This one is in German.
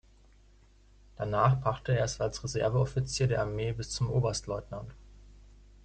Danach brachte er es als Reserveoffizier der Armee bis zum Oberstleutnant.